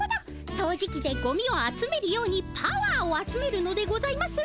そうじきでゴミをあつめるようにパワーをあつめるのでございますね。